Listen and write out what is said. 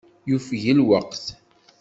Yufeg lweqt.